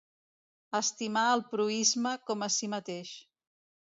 Estimar el proïsme com a si mateix.